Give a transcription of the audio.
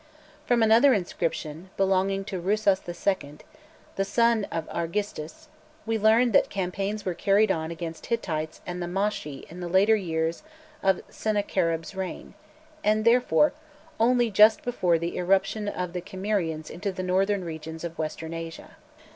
From another inscription, belonging to Rusas II., the son of Argistis, we learn that campaigns were carried on against the Hittites and the Moschi in the latter years of Sennacherib's reign, and therefore only just before the irruption of the Kimmerians into the northern regions of Western Asia.